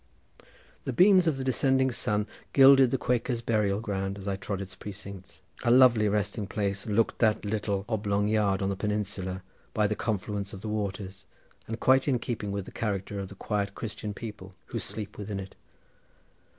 The beams of the descending sun gilded the Quakers' burial ground as I trod its precincts. A lovely resting place looked that little oblong yard on the peninsula, by the confluence of the waters, and quite in keeping with the character of the quiet Christian people who sleep within it.